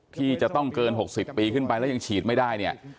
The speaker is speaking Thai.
ที่จะต้องเกิน๖๐ปีขึ้นไปแล้วยังฉีดไม่ได้เนี่ย